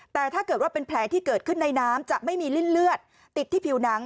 แต่ถ้าเกิดว่าเป็นแผลที่เกิดขึ้นในน้ำจะไม่มีลิ้นเลือดติดที่ผิวหนัง